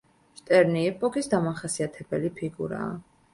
შტერნი ეპოქის დამახასიათებელი ფიგურაა.